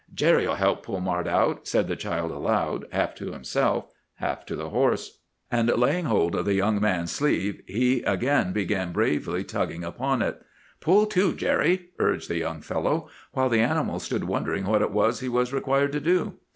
"'Jerry'll help me pull Mart out,' said the child aloud, half to himself, half to the horse; and laying hold of the young man's sleeve, he again began bravely tugging upon it. 'Pull too, Jerry,' urged the little fellow, while the animal stood wondering what it was he was required to do.